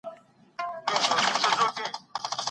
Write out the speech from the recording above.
املا د سواد یو مشعل دی.